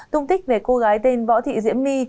tung tích về cô gái tên võ thị diễm my